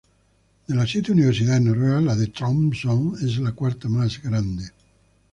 De las siete Universidades noruegas, la de Tromsø es la cuarta más grande.